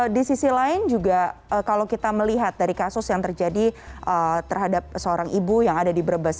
di sisi lain juga kalau kita melihat dari kasus yang terjadi terhadap seorang ibu yang ada di brebes